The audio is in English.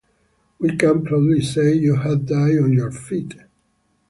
We can proudly say you have died on your feet!